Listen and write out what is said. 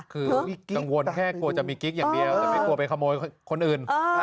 คือกังวลแค่กลัวจะมีกิ๊กอย่างเดียวแต่ไม่กลัวไปขโมยคนอื่น